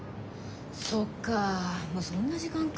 そっかもうそんな時間か。